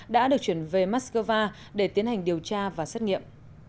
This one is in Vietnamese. đã được chuyển về moscow để tiến hành điều tra và xét nghiệm